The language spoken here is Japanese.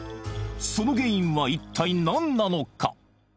その原因は一体何なのか